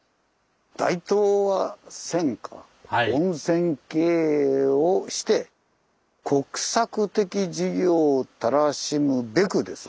「大東亜戦下温泉経営をして国策的事業たらしむべく」です。